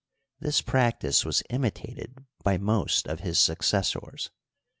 This practice was imitated by most of his successors.